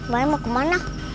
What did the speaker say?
mami mau kemana